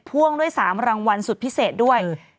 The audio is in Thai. พ่วงด้วย๓รางวัลสุดพิเศษด้วย